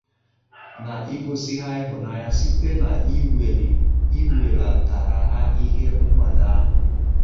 na igosi ha ịhụnanya site n'iwèlàtàrà ha ihe nkwàdo ahụ